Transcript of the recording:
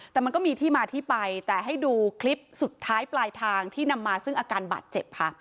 แต่มันก็มีที่มาที่ไปแต่ให้ดูคลิปสุดท้ายปลายทางที่นำมาซึ่งอาการบาดเจ็บค่ะ